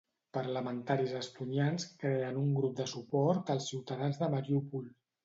Parlamentaris estonians creen un grup de suport als ciutadans de Mariúpol.